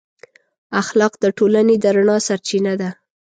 اخلاق د ټولنې د رڼا سرچینه ده.